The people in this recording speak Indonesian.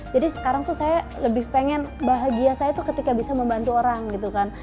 jadi sekarang tuh saya lebih pengen bahagia saya tuh ketika bisa membantu orang gitu kan